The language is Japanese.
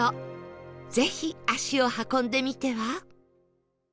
ぜひ足を運んでみては？